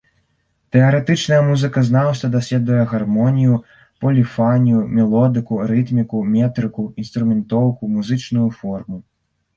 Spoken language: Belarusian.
Тэарэтычнае музыказнаўства даследуе гармонію, поліфанію, мелодыку, рытміку, метрыку, інструментоўку, музычную форму.